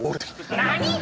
何！？